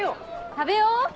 食べよう！